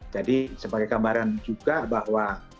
jadi sebagai gambaran juga bahwa